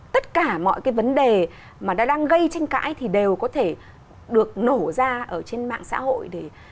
tất cả mọi vấn đề mà đang gây tranh cãi thì đều có thể được nổ ra trên mạng xã hội